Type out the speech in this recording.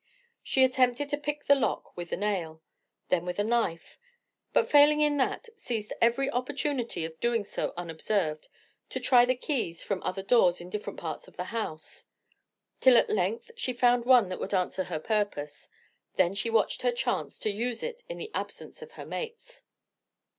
She attempted to pick the lock with a nail, then with a knife, but failing in that, seized every opportunity of doing so unobserved, to try the keys from other doors in different parts of the house, till at length she found one that would answer her purpose; then she watched her chance to use it in the absence of her mates.